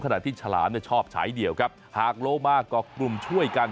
ขนาดที่ฉลามชอบฉายเดี่ยวหากโลมาก็กลุ่มช่วยกัน